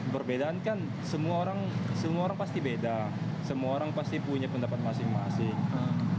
perbedaan kan semua orang semua orang pasti beda semua orang pasti punya pendapat masing masing